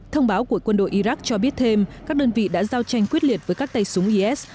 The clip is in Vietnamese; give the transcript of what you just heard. thông báo của quân đội iraq cho biết thêm các đơn vị đã giao tranh quyết liệt với các tay súng is